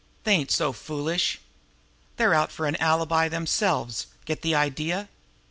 They ain't so foolish! They're out for an alibi themselves. Get the idea?